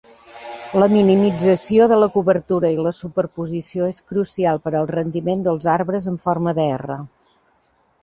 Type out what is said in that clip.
La minimització de la cobertura i la superposició és crucial per al rendiment dels arbres en forma de R.